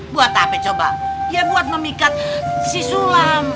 buat apa coba ya buat memikat si sulam